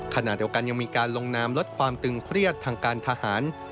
ขณะเดียวกันยังมีการลงนามลดความตึงเครียดทางการทหาร